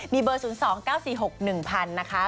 มีเบอร์๐๒๙๔๖๑๐๐นะคะ